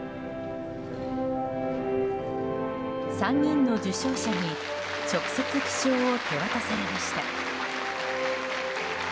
３人の受章者に直接記章を手渡されました。